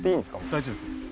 大丈夫です。